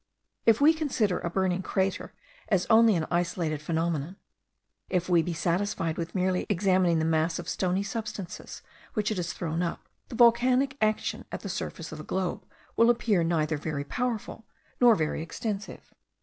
If we consider a burning crater only as an isolated phenomenon, if we be satisfied with merely examining the mass of stony substances which it has thrown up, the volcanic action at the surface of the globe will appear neither very powerful nor very extensive.